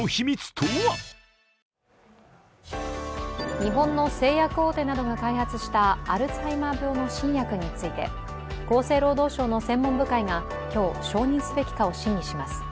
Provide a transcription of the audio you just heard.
日本の制約大手などが開発したアルツハイマー病の新薬について厚生労働省の専門部会が今日、承認すべきかを審議します。